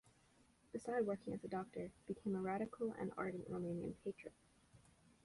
Beside working as a doctor, became a radical and ardent Romanian patriot.